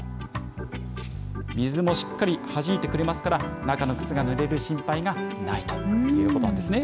水もしっかりはじいてくれますから、中の靴がぬれる心配がないということなんですね。